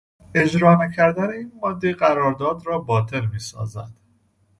اجرا نکردن این ماده قرارداد را باطل میسازد.